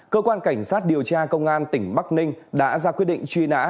cơ quan cảnh sát điều tra công an tỉnh bắc ninh đã ra quyết định truy nã